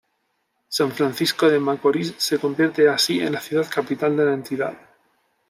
San Francisco de Macorís se convierte así en la ciudad capital de la entidad.